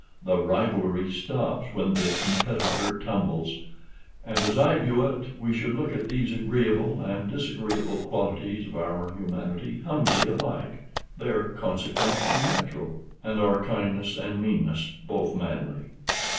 The rivalry stops when the competitor tumbles; and, as I view it, we should look at these agreeable and disagreeable qualities of our humanity humbly alike. They are consequent and natural, and our kindness and meanness both manly.